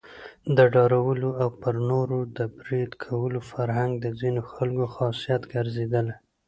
د ډارولو او پر نورو د بريد کولو فرهنګ د ځینو خلکو خاصيت ګرځېدلی.